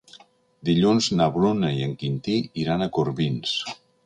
Dilluns na Bruna i en Quintí iran a Corbins.